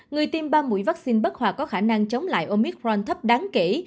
người tiêm ba mũi vaccine bất hoạt có khả năng chống lại omicron thấp đáng kỹ